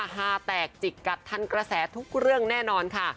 ฮาแตกจิกกัดทันกระแสทุกเรื่องแน่นอนค่ะ